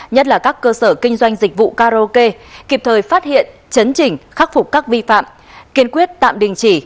nhất là các cơ sở kinh doanh dịch vụ karaoke kịp thời phát hiện chấn trình khắc phục các vi phạm kiên quyết tạm đình chỉ